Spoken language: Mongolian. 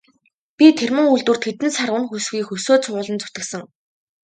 Би тэр муу үйлдвэрт хэдэн сар үнэ хөлсгүй хөлсөө цувуулан зүтгэсэн.